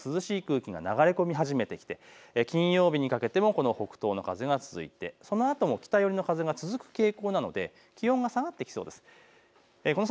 比較的北からの涼しい空気が流れ込み始めてきて金曜日にかけてもこの北東の風が続いてそのあとも北寄りの風が続く傾向なので気温が下がってきそうです。